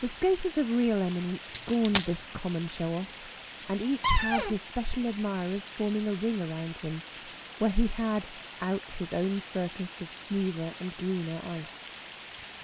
The skaters of real eminence scorned this common show off, and each had his special admirers forming a ring around him, where he had cut his own circus of smoother and greener ice.